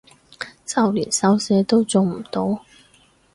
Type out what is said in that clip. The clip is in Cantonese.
就連手寫都做唔到